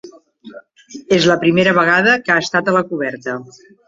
És la primera vegada que ha estat a la coberta.